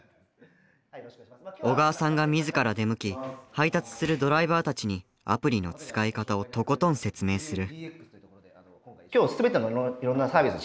小川さんが自ら出向き配達するドライバーたちにアプリの使い方をとことん説明する。